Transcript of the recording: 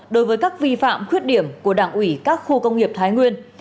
đối với các vi phạm khuyết điểm của đảng ủy các khu công nghiệp thái nguyên